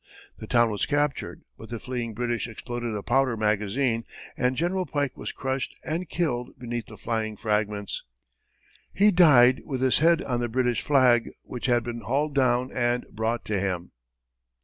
The town was captured, but the fleeing British exploded a powder magazine, and General Pike was crushed and killed beneath the flying fragments. He died with his head on the British flag, which had been hauled down and brought to him.